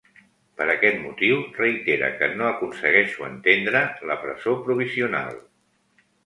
Per aquest motiu reitera que ‘no aconsegueixo entendre’ la presó provisional.